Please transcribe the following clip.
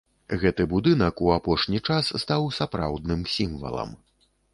Гэты будынак у апошні час стаў сапраўдным сімвалам.